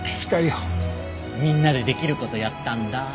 みんなでできる事やったんだ。